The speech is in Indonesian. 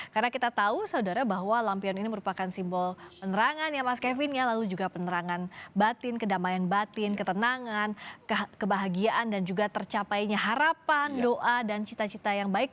karena kita tahu saudara bahwa lampion ini merupakan simbol penerangan ya mas kevin ya lalu juga penerangan batin kedamaian batin ketenangan kebahagiaan dan juga tercapainya harapan doa dan cita cita yang baik